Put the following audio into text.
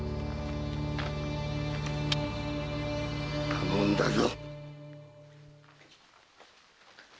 頼んだぞ！